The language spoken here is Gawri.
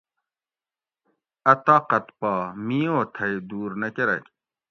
اۤ طاقت پا می او تھئ دور نہ کرۤگ